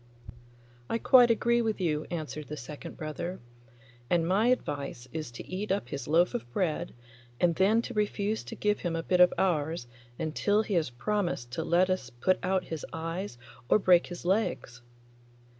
'I quite agree with you,' answered the second brother, 'and my advice is to eat up his loaf of bread, and then to refuse to give him a bit of ours until he has promised to let us put out his eyes or break his legs.